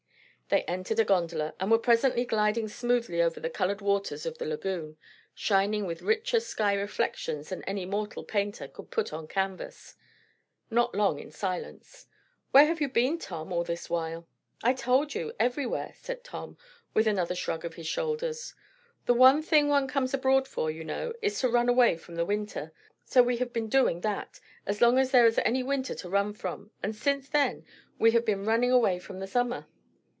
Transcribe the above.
They entered a gondola, and were presently gliding smoothly over the coloured waters of the lagoon; shining with richer sky reflections than any mortal painter could put on canvas. Not long in silence. "Where have you been, Tom, all this while?" "I told you, everywhere!" said Tom, with another shrug of his shoulders. "The one thing one comes abroad for, you know, is to run away from the winter; so we have been doing that, as long as there was any winter to run from, and since then we have been running away from the summer.